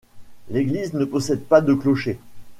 L'église ne possède pas de clocher.